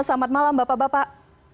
selamat malam bapak bapak